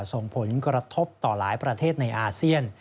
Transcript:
ส่งผลกระทบต่อหลายประเทศในอาเซียน